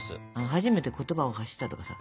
「初めて言葉を発した」とかさ